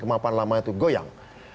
kemapan lama itu goyang